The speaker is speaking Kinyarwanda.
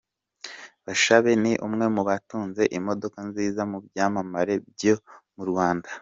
Bashabe ni umwe mu batunze imodoka nziza mu byamamare byo mu Rwanda.